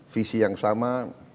visi yang sama